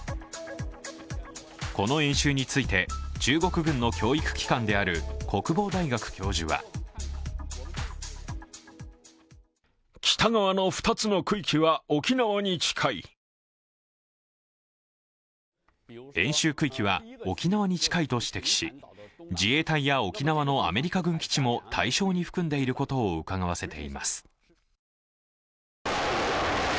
この演習について、中国軍の教育機関である国防大学教授は演習区域は沖縄に近いと指摘し自衛隊や沖縄のアメリカ軍基地も対象に含んでいることをうかがわせています。